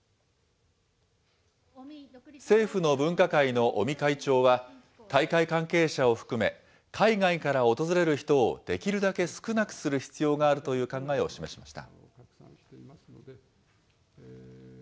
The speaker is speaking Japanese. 政府の分科会の尾身会長は、大会関係者を含め、海外から訪れる人をできるだけ少なくする必要があるという考えを示しました。